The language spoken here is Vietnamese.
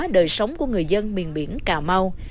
đời sống của người dân miền biển cà mau